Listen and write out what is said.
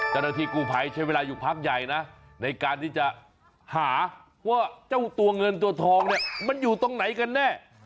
เจ้าหน้าที่กู้ภัยใช้เวลาอยู่พักใหญ่นะในการที่จะหาว่าเจ้าตัวเงินตัวทองเนี่ยมันอยู่ตรงไหนกันแน่